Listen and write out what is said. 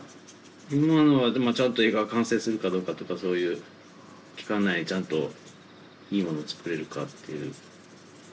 今のはちゃんと映画完成するかどうかとかそういう期間内にちゃんといいもの作れるかっていう。